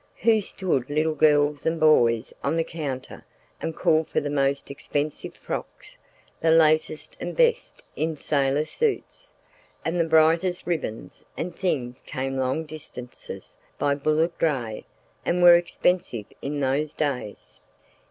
Who stood little girls and boys on the counter and called for the most expensive frocks, the latest and best in sailor suits, and the brightest ribbons; and things came long distances by bullock dray and were expensive in those days.